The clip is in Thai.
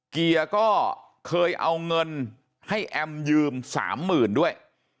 เกียร์ก็เคยเอาเงินให้แอมยืม๓๐๐๐ด้วย